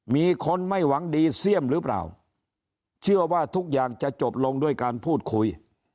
มีคนไม่หวังดีเสี่ยมหรือเปล่าเชื่อว่าทุกอย่างจะจบลงด้วยการพูดคุย